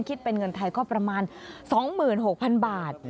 คิดเป็นเงินไทยก็ประมาณ๒๖๐๐๐บาท